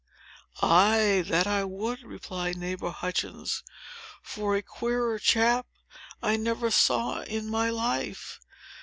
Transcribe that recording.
"Ay, that I would," replied neighbor Hutchins; "for a queerer chap I never saw in my life!